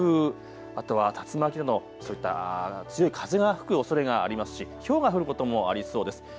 あとは竜巻などそういった強い風が吹くおそれがありますしひょうが降ることもありそうです。